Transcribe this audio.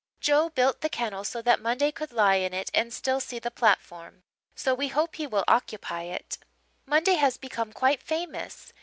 Joe built the kennel so that Monday could lie in it and still see the platform, so we hope he will occupy it. "Monday has become quite famous.